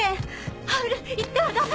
ハウル行ってはダメ！